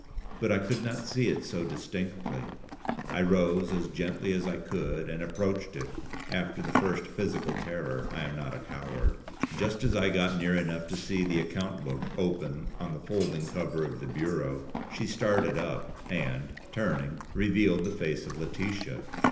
But I could not see it so distinctly. I rose as gently as I could, and approached it, after the first physical terror. I am not a coward. Just as I got near enough to see the account book open on the folding cover of the bureau, she started up, and, turning, revealed the face of Laetitia.